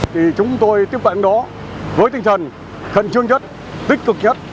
thì chúng tôi tiếp cạnh đó với tinh thần khẩn trương nhất tích cực nhất